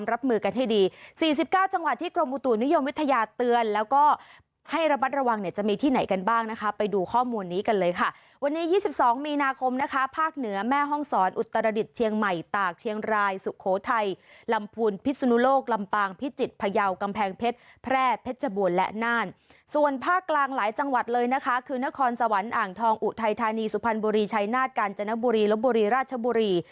รับมือกันให้ดี๔๙จังหวัดที่กรมบุตุนุยมวิทยาเตือนแล้วก็ให้ระบัดระวังเนี่ยจะมีที่ไหนกันบ้างนะคะไปดูข้อมูลนี้กันเลยค่ะวันนี้๒๒มีนาคมนะคะภาคเหนือแม่ห้องศรอุตรดิตเชียงใหม่ตากเชียงรายสุโขทัยลำพูนพิสุนุโลกลำปางพิจิตรพยาวกำแพงเพชรแพร่เพชรบวนและน่านส่วนภาคกลางหลายจังหว